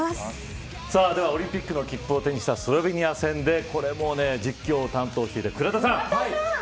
オリンピックの切符を手にしたスロベニア戦で実況を担当していた倉田さん